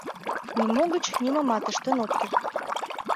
Нимо гыч нимомат ыштен от керт.